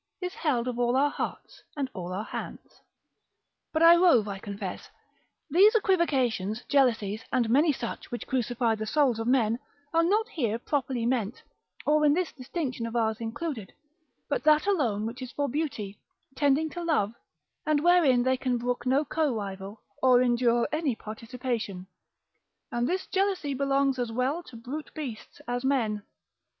Is held of all our hearts, and all our hands. But I rove, I confess. These equivocations, jealousies, and many such, which crucify the souls of men, are not here properly meant, or in this distinction of ours included, but that alone which is for beauty, tending to love, and wherein they can brook no co rival, or endure any participation: and this jealousy belongs as well to brute beasts, as men.